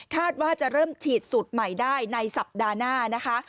ว่าจะเริ่มฉีดสูตรใหม่ได้ในสัปดาห์หน้านะคะ